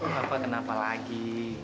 papa kenapa lagi